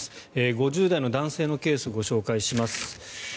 ５０代の男性のケースご紹介します。